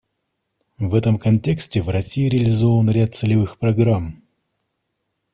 В этом контексте в России реализован ряд целевых программ.